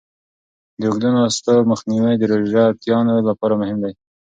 د اوږدو ناستو مخنیوی د روژهتیانو لپاره مهم دی.